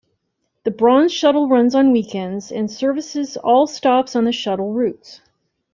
The Bronze Shuttle runs on weekends and services all stops on the shuttle routes.